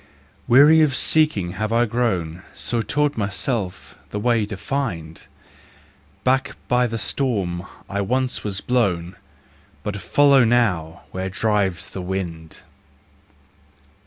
Weary of Seeking had I grown, So taught myself the way to Find : Back by the storm I once was blown, But follow now, where drives the wind.